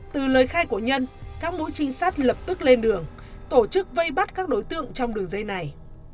từ lời khai của nhân các mũi trinh sát lập tức lên đường tổ chức vây bắt các đối tượng trong đường dây này